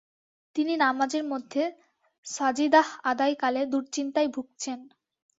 তিনি নামজের মধ্যে সজিদাহ আদায় কালে দুরচিন্তায় ভুগছেন।